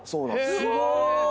すごーい！